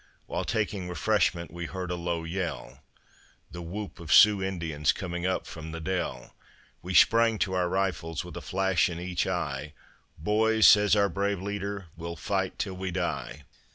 While taking refreshment we heard a low yell, The whoop of Sioux Indians coming up from the dell; We sprang to our rifles with a flash in each eye, "Boys," says our brave leader, "we'll fight till we die."